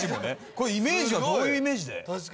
これイメージはどういうイメージで？